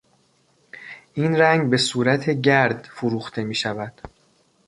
این رنگ به صورت گرد فروخته میشود.